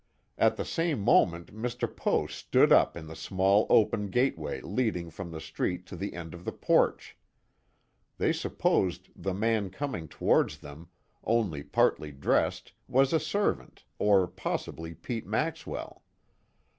At the same moment Mr. Poe stood up in the small open gateway leading from the street to the end of the porch. They supposed the man coming towards them, only partly dressed, was a servant, or possibly Pete Maxwell.